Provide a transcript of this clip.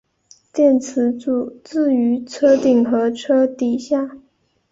电池组置于车顶和车底下。